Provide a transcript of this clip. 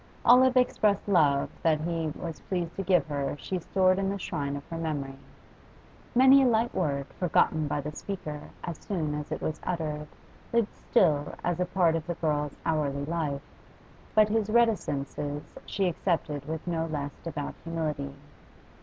All of expressed love that he was pleased to give her she stored in the shrine of her memory; many a light word forgotten by the speaker as soon as it was uttered lived still as a part of the girl's hourly life, but his reticences she accepted with no less devout humility.